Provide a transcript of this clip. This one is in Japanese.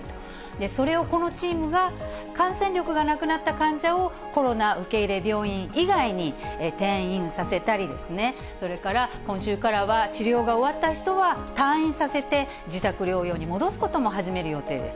それをこのチームが、感染力がなくなった患者を、コロナ受け入れ病院以外に転院させたり、それから今週からは、治療が終わった人は退院させて、自宅療養に戻すことも始める予定です。